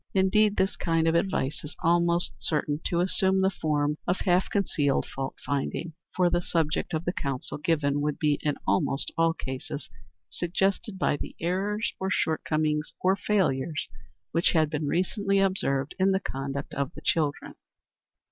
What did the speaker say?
Indeed, this kind of advice is almost certain to assume the form of half concealed fault finding, for the subject of the counsel given would be, in almost all cases, suggested by the errors, or shortcomings, or failures which had been recently observed in the conduct of the children.